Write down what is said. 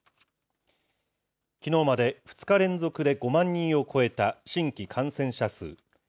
きのうまで２日連続で５万人を超えた新規感染者数。